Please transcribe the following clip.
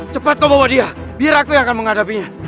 cepat kau bawa dia biar aku yang akan menghadapinya